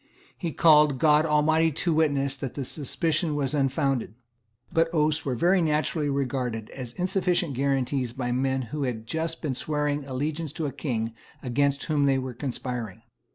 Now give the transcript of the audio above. He called God Almighty to witness that the suspicion was unfounded. But oaths were very naturally regarded as insufficient guarantees by men who had just been swearing allegiance to a King against whom they were conspiring.